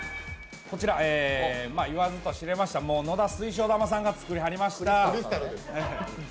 言わずと知れました、野田水晶玉さんがつくりました